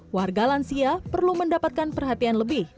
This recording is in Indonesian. warga lansia perlu mendapatkan perhatian lebih